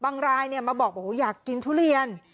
รายมาบอกอยากกินทุเรียน